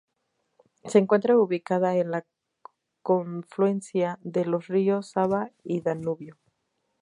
Se encuentra ubicada en la confluencia de los ríos Sava y Danubio.